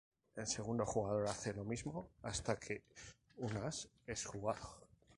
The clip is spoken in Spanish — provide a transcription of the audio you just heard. El segundo jugador hace lo mismo hasta que un as es jugado.